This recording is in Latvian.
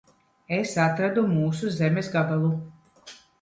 Es atradu mūsu zemes gabalu.